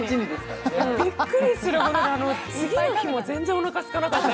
びっくりするほど、次の日も全然おなかすかなかった。